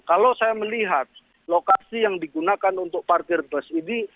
kalau saya melihat lokasi yang digunakan untuk parkir bus ini